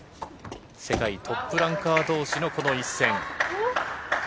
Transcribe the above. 世界トップランカー同士のこの一戦。